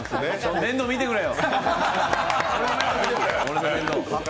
面倒見てくれよ。